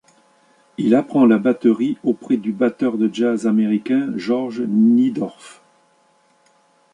Il apprend la batterie auprès du batteur de jazz américain George Niedorf.